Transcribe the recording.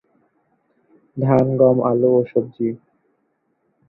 ধান, গম, আলু ও শাকসবজি।